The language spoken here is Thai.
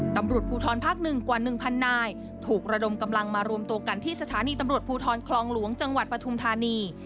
ตำรวจภูทรภาค๑กว่า๑๐๐นายถูกระดมกำลังมารวมตัวกันที่สถานีตำรวจภูทรคลองหลวงจังหวัดปฐุมธานี